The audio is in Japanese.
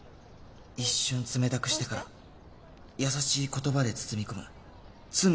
一瞬冷たくしてから優しい言葉で包み込む「ツンデレ」作戦